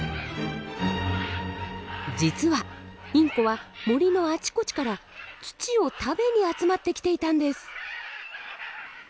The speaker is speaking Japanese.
実はインコは森のあちこちから土を食べに集まってきていたんです。